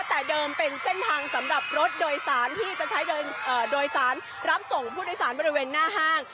แต่เดิมเป็นเส้นทางสำหรับรถโดยสารที่จะใช้โดยสารรับส่งผู้โดยสารบริเวณหน้าห้าง